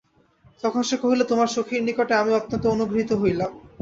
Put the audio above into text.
তখন সে কহিল, তোমার সখীর নিকটে আমি অত্যন্ত অনুগৃহীত হইলাম।